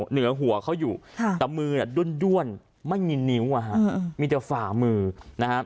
เหนือหัวเขาอยู่แต่มือน่ะด้วนด้วนไม่มีนิ้วอ่ะฮะมีแต่ฝ่ามือนะฮะ